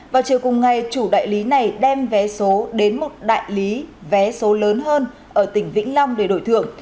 vào chiều cùng ngày chủ đại lý này đem vé số đến một đại lý vé số lớn hơn ở tỉnh vĩnh long để đổi thưởng